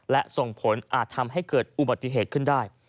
และส่งผลอาจทำให้เกิดอุบัติเหตุขึ้นได้